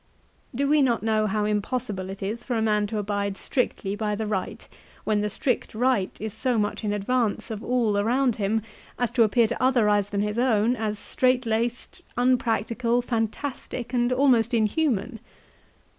Do we not know how impossible it is for a man to abide strictly by the right, when the strict right is so much in advance of all around him as to appear to other eyes than his own as straightlaced, unpractical, fantastic and almost inhuman